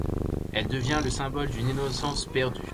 Elle devient le symbole d'une innocence perdue.